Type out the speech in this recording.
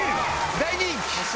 大人気。